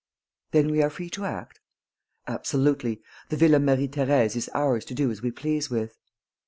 "Then we are free to act?" "Absolutely. The Villa Marie Thérèse is ours to do as we please with."